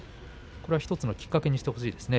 これを１つのきっかけにしてほしいですね。